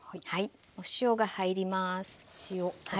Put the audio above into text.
お塩が入ります。